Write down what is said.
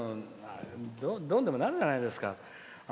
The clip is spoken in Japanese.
どうにでもなるじゃないですか。